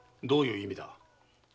どういう意味だ？